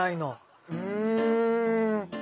うん。